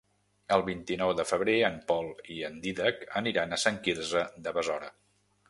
El vint-i-nou de febrer en Pol i en Dídac aniran a Sant Quirze de Besora.